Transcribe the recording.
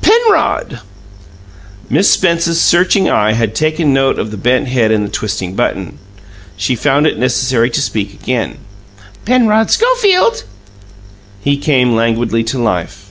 "Penrod!" Miss Spence's searching eye had taken note of the bent head and the twisting button. She found it necessary to speak again. "Penrod Schofield!" He came languidly to life.